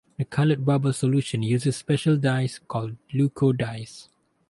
The colored bubble solution uses special dyes called leuco dyes.